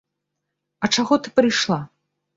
А чаго ты прыйшла?